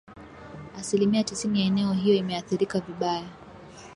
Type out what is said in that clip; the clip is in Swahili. asilimia tisini ya eneo hiyo imeathirika vibaya